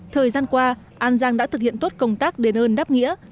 thời gian qua an giang đã thực hiện tốt công tác đến hơn đáp nghĩa